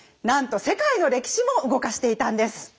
なんと世界の歴史も動かしていたんです。